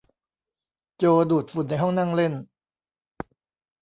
โจดูดฝุ่นในห้องนั่งเล่น